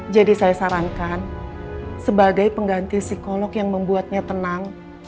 jadi saya sarankan sebagai pengganti psikolog yang membuatnya tenang